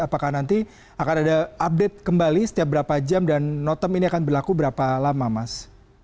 apakah nanti akan ada update kembali setiap berapa jam dan notem ini akan berlaku berapa lama mas